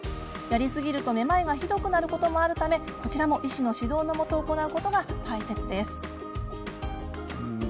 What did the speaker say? やりすぎるとめまいがひどくなることもあるため、医師の指導のもと行うことが大事です。